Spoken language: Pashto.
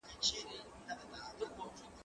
زه به د تکړښت لپاره تللي وي،